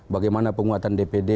bagaimana penguatan dpd